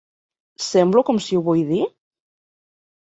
Semblo com si ho vull dir?